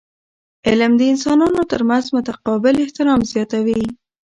علم د انسانانو ترمنځ متقابل احترام زیاتوي.